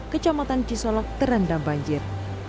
kecamatan cisolak terendam banjir